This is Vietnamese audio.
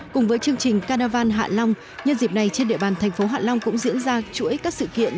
cùng với chương trình căn đà vàn hạ long nhân dịp này trên địa bàn thành phố hạ long cũng diễn ra chuỗi các sự kiện